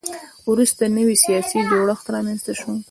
وروسته نوی سیاسي جوړښت رامنځته شو.